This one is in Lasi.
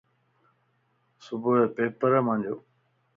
صبح پيپرائي مانجو